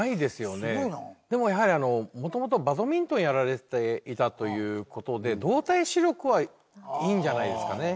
でもやはり元々バドミントンやられていたという事で動体視力はいいんじゃないですかね。